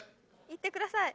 いってください。